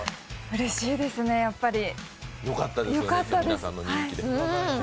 うれしいですね、やっぱり。